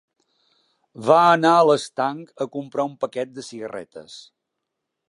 Va anar a l'estanc a comprar un paquet de cigarretes